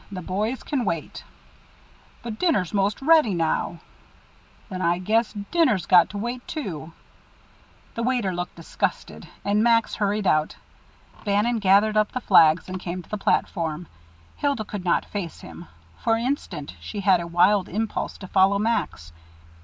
"The boys can wait." "But dinner's most ready now." "Then I guess dinner's got to wait, too." The waiter looked disgusted, and Max hurried out. Bannon gathered up the flags and came to the platform. Hilda could not face him. For an instant she had a wild impulse to follow Max.